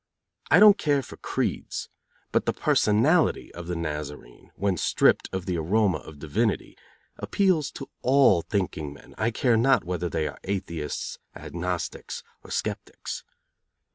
I don't care for creeds, but the personality of the Nazarene, when stripped of the aroma of divinity, appeals to all thinking men, I care not whether they are atheists, agnostics or sceptics.